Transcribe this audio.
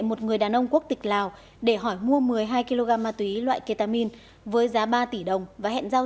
một người đàn ông quốc tịch lào để hỏi mua một mươi hai kg ma túy loại ketamine với giá ba tỷ đồng và hẹn giao